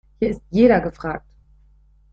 Hier ist jeder gefragt.